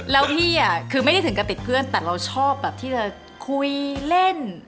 แล้วพี่คือไม่ได้ถึงกับติดเพื่อนแต่เราชอบแบบที่จะคุยเล่น